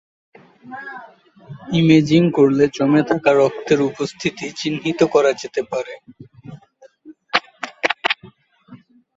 Imaging করলে জমে থাকা রক্তের উপস্থিতি চিহ্নিত করা যেতে পারে।